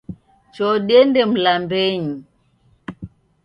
Choo dende mlambenyi .